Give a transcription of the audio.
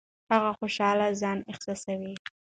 هغه خوشاله ځان احساساوه.